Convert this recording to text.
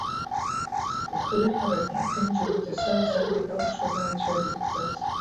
Ихы ҩаҳаракны аԥенџьыр иҭасаз асаркьа далԥшуа даацәажәеит итәаз.